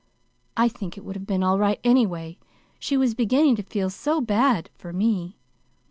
I think it would have been all right, anyway. She was beginning to feel so bad for me.